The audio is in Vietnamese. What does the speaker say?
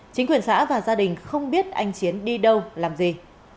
chính quyền xã và gia đình không biết anh chiến đi đâu làm gì